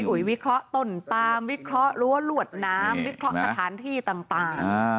อุ๋ยวิเคราะห์ต้นปามวิเคราะหรั้วลวดน้ำวิเคราะห์สถานที่ต่าง